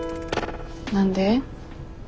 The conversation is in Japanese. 何で？